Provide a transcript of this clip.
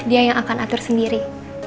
dia yang akan atur sendiri